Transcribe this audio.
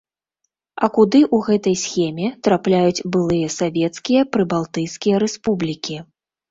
А куды ў гэтай схеме трапляюць былыя савецкія прыбалтыйскія рэспублікі?